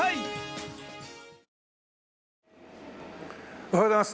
おはようございます。